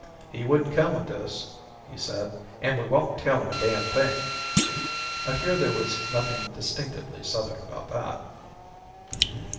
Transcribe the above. "He wouldn't come with us," he said, "and we won't tell him a damned thing." I fear there was nothing distinctively Southern about that.